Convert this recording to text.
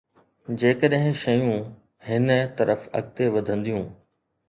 جيڪڏهن شيون هن طرف اڳتي وڌنديون.